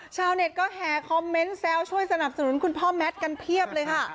ชาวเน็ตก็แห่คอมเมนต์แซวช่วยสนับสนุนคุณพ่อแมทกันเพียบเลยค่ะ